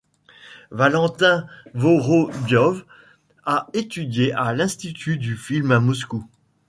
Valentin Vorobiov a étudié à l'institut du film à Moscou.